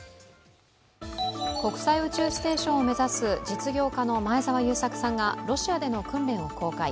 国際宇宙ステーションを目指す実業家の前澤友作さんがロシアでの訓練を公開。